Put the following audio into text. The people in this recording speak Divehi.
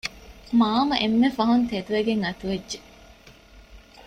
މާމަ އެންމެފަހުން ތެދުވެގެން އަތުވެއްޖެ